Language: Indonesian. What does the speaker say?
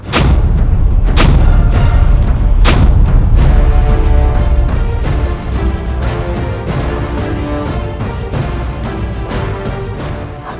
atau akan kubunuh kau sekalian